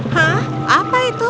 hah apa itu